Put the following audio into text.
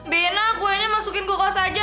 bena kuenya masukin gue kelas aja